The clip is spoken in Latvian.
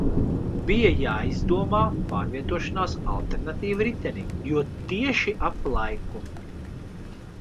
Bija jāizdomā pārvietošanās alternatīva ritenim, jo tieši ap laiku.